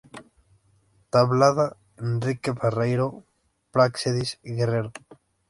Tablada, Enrique Barreiro, "Práxedis Guerrero.